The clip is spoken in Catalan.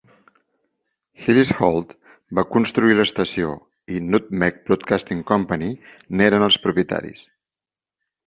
Hillis Holt va construir l'estació i Nutmeg Broadcasting Company n'eren els propietaris.